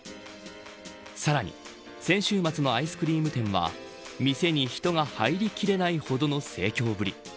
さらに先週末のアイスクリーム店は店に人が入りきらないほどの盛況ぶり。